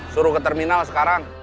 suruh ke terminal sekarang